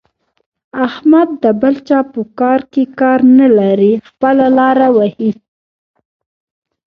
احمد د بل چا په کار کې کار نه لري؛ خپله لاره وهي.